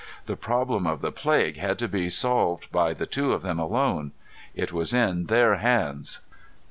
The problem of the plague had to be solved by the two of them alone. It was in their hands.